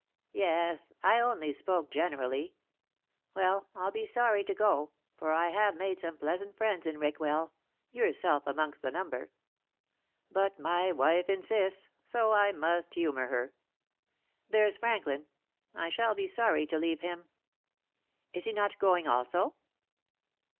"Yes. I only spoke generally. Well, I'll be sorry to go, for I have made some pleasant friends in Rickwell yourself amongst the number. But my wife insists, so I must humor her. There's Franklin. I shall be sorry to leave him." "Is he not going also?"